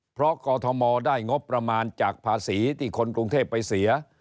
เพราะกอทมได้งบประมาณจากภาษีที่คนกรุงเทพไปเสีย